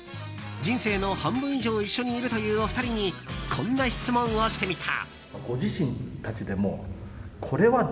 人生の半分以上一緒にいるというお二人にこんな質問をしてみた。